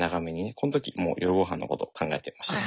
この時もう夜ごはんのこと考えてました。